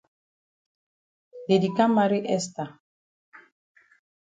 Dey di kam maret Esther.